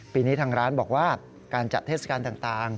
ปีนี้ทางร้านบอกว่าการจัดเทศกาลต่าง